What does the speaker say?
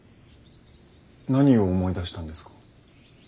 何を思い出したんですか？